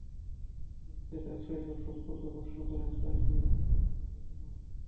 সঙ্গীকে তাঁর শৈশব সম্পর্কে প্রশ্ন করুন, তাঁর প্রিয় মুহূর্তগুলোর কথা শুনুন।